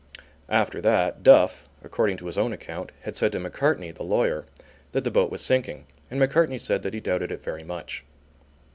After that Duff, according to his own account, had said to Macartney, the lawyer, that the boat was sinking, and Macartney said that he doubted it very much.